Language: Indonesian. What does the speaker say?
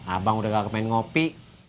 abang udah gak kemain ngopi